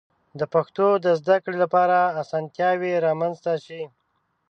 د پښتو د زده کړې لپاره آسانتیاوې رامنځته شي.